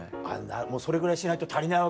もうそれぐらいしないと足りないわけだ。